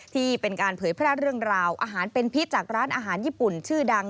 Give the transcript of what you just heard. ที่เป็นการเผยแพร่เรื่องราวอาหารเป็นพิษจากร้านอาหารญี่ปุ่นชื่อดัง